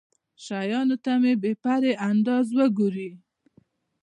شيانو ته په بې پرې انداز وګوري.